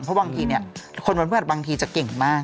เพราะบางทีคนวันพฤษฐรมบางทีจะเก่งมาก